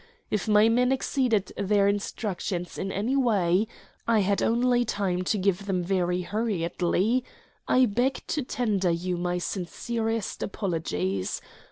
If my men exceeded their instructions in any way I had only time to give them very hurriedly I beg to tender you my sincerest apologies.